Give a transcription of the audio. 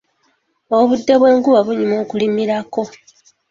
Obudde bw’enkuba bunyuma okulimirako.